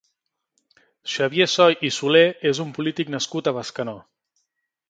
Xavier Soy i Soler és un polític nascut a Bescanó.